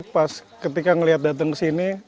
pas ketika melihat datang ke sini